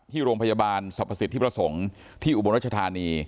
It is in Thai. ที่โรงพยาบาลสรรพสิทธิ์ที่ประสงค์ที่อุบัติรัชธานี